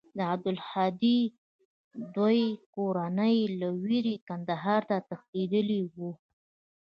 د عبدالهادي دوى کورنۍ له وېرې کندهار ته تښتېدلې وه.